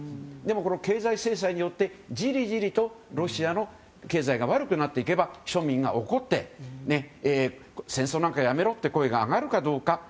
でも、経済制裁によってじりじりとロシアの経済が悪くなっていけば庶民が怒って、戦争なんかやめろって声が上がるかどうか。